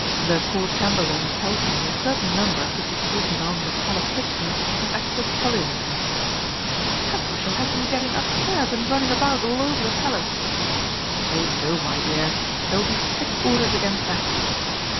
"The Court Chamberlain tells me a certain number could be taken on the Palace Kitchens as extra scullions." "And we shall have them getting upstairs and running about all over the Palace!" "Oh no, my dear; there will be strict orders against that.